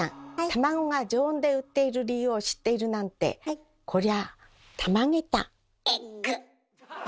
卵が常温で売っている理由を知っているなんてえっぐ！